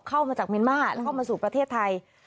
เข้ามาจากเมียนมาแล้วเข้ามาสู่ประเทศไทย